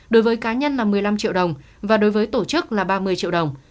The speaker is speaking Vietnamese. đối với cá nhân là một mươi năm triệu đồng và đối với tổ chức là ba mươi triệu đồng